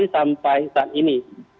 pagi sampai saat ini